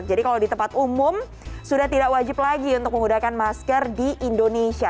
jadi kalau di tempat umum sudah tidak wajib lagi untuk menggunakan masker di indonesia